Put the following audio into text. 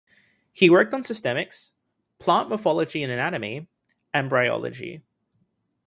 He worked on systemics, plant morphology and anatomy, and bryology.